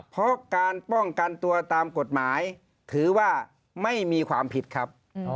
เพราะการป้องกันตัวตามกฎหมายถือว่าไม่มีความผิดครับ